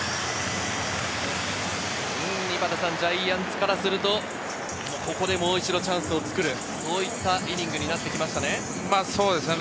ジャイアンツからすると、ここでもう一度チャンスを作る、そういったイニングになってきましたね。